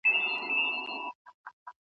آیا په شريعت کي د فتنو مخنيوی واجب دی؟